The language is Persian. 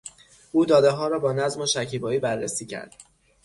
او دادهها را با نظم و شکیبایی بررسی کرد.